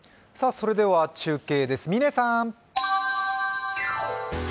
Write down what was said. では中継です、嶺さーん。